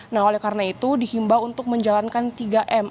nah oleh karena itu dihimbau untuk menjalankan tiga m